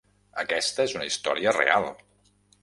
Aquesta és una història real!